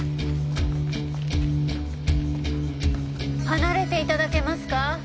離れて頂けますか？